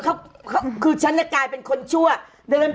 คือชั้นกลายเป็นคนชั่ว